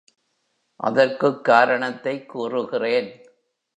அதற்குக் காரணத்தைக் கூறுகிறேன்.